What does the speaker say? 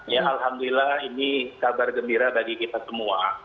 ya alhamdulillah ini kabar gembira bagi kita semua